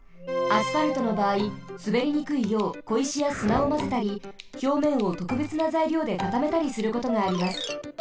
アスファルトのばあいすべりにくいようこいしやすなをまぜたりひょうめんをとくべつなざいりょうでかためたりすることがあります。